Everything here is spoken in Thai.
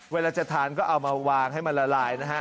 เวลาจะทานก็เอามาวางให้มันละลายนะฮะ